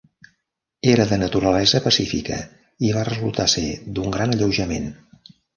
Era de naturalesa pacífica i va resultar ser d'un gran alleujament.